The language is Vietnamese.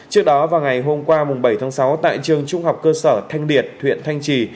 trước đó vào ngày hôm qua bảy sáu tại trường trung học cơ sở thanh điệt huyện thanh trì